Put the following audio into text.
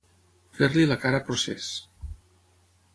Fer-li la cara procés.